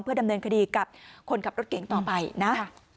ดำเนินคดีกับคนขับรถเก่งต่อไปนะ